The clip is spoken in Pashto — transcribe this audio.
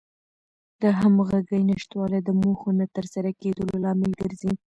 د همغږۍ نشتوالی د موخو نه تر سره کېدلو لامل ګرځي.